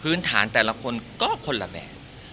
ฐานแต่ละคนก็คนละแบบ